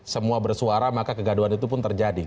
semua bersuara maka kegaduhan itu pun terjadi